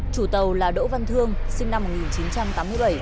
chủ tàu là đỗ văn thương sinh năm một nghìn chín trăm tám mươi bảy